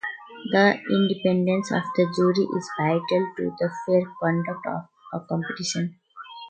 The independence of the jury is vital to the fair conduct of a competition.